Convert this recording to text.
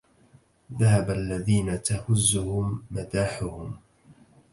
ذهب الذين تهزهم مداحهم